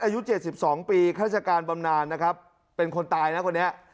อายุเจ็ดสิบสองปีฆาติการบำนานนะครับเป็นคนตายนะคนเนี้ย